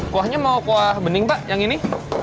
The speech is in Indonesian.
kuahnya mau kuah bening pak yang ini